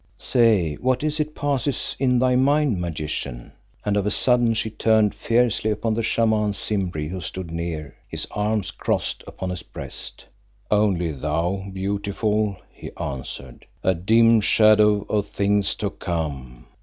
"Say, what is it passes in thy mind, magician?" and of a sudden she turned fiercely upon the Shaman Simbri who stood near, his arms crossed upon his breast. "Only, thou Beautiful," he answered, "a dim shadow of things to come.